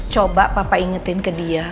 coba papa ingetin ke dia